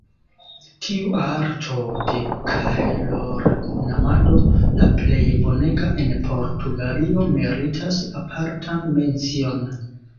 Tiu arto de kahelornamado – la plej bonega en Portugalio – meritas apartan mencion.